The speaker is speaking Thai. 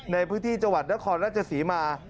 ในพื้นที่จังหวัดนครราชศรีมา